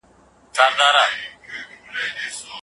جهاد د کفر د تیارو لپاره یو مشعل دی.